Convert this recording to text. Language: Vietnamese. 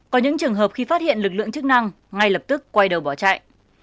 có những trường hợp khi phát hiện lực lượng chức năng ngay lập tức quay đầu bỏ chạy